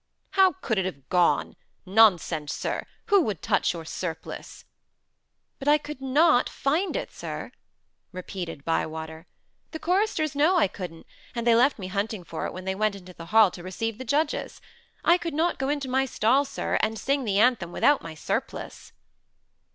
"How could it have gone? Nonsense, sir! Who would touch your surplice?" "But I could not find it, sir," repeated Bywater. "The choristers know I couldn't; and they left me hunting for it when they went into the hall to receive the judges. I could not go into my stall, sir, and sing the anthem without my surplice."